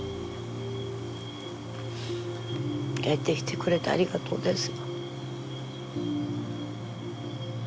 帰ってきてくれてありがとうです。